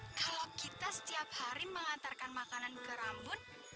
kalau kita setiap hari mengantarkan makanan ke rambut